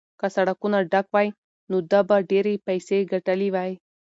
که سړکونه ډک وای نو ده به ډېرې پیسې ګټلې وای.